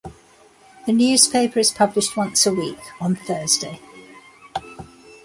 The newspaper is published once a week on Thursday.